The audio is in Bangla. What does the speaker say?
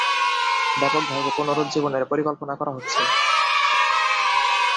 ব্যাপকভাবে পুনরুজ্জীবনের পরিকল্পনা করা হচ্ছে।